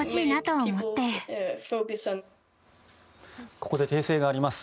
ここで訂正があります。